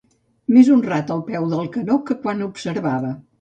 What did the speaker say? Més honrat al peu del canó que quan observava